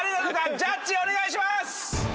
ジャッジお願いします！